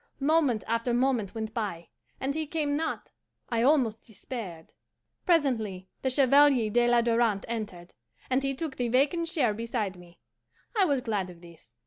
Moment after moment went by, and he came not. I almost despaired. Presently the Chevalier de la Darante entered, and he took the vacant chair beside me. I was glad of this.